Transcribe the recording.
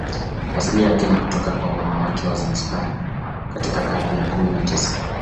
Asili yake ni kutoka kwa wanawake wa Zanzibar katika karne ya kumi na tisa